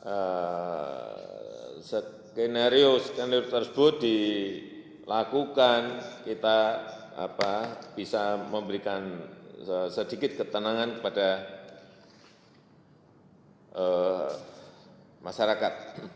nah skenario skenario tersebut dilakukan kita bisa memberikan sedikit ketenangan kepada masyarakat